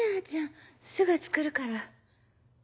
ちゃんすぐ作るから。